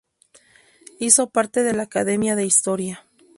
Hizo parte de la Academia de Historia.